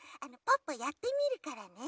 ポッポやってみるからね？